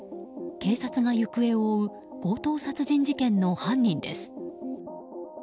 警察が行方を追う強盗殺人事件の犯人です。